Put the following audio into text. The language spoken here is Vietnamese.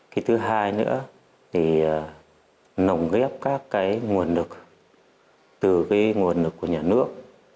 cái thứ hai nữa thì nồng ghép các nguồn lực từ nguồn lực của nhà nước